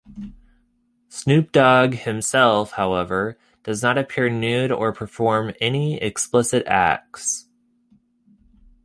Snoop Dogg himself however, does not appear nude or perform any explicit acts.